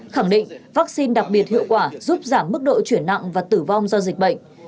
khẳng định vaccine đặc biệt hiệu quả giúp giảm mức độ chuyển nặng và tử vong do dịch bệnh